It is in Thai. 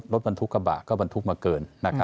รถบรรทุกกระบะก็บรรทุกมาเกิน